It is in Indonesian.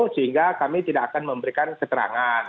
sehingga kami tidak akan memberikan keterangan